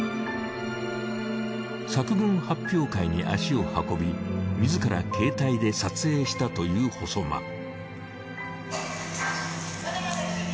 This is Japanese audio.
作文発表会に足を運び自らケータイで撮影したという細間。